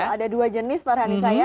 betul ada dua jenis para nisanya